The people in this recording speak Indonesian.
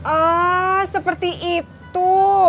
ah seperti itu